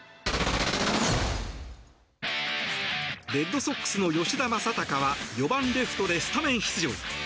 レッドソックスの吉田正尚は４番レフトでスタメン出場。